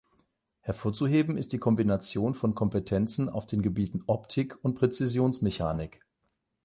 Hervorzuheben ist die Kombination von Kompetenzen auf den Gebieten Optik und Präzisionsmechanik.